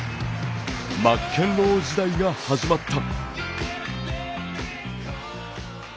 マッケンロー時代が始まった。